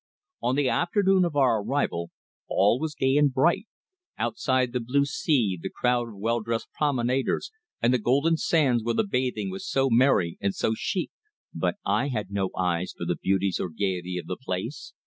On the afternoon of our arrival, all was gay and bright; outside the blue sea, the crowd of well dressed promenaders, and the golden sands where the bathing was so merry and so chic. But I had no eyes for the beauties or gaiety of the place.